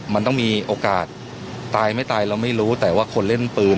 มันต้องมีโอกาสตายไม่ตายเราไม่รู้แต่ว่าคนเล่นปืน